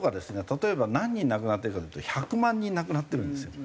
例えば何人亡くなっているかというと１００万人亡くなっているんですよ。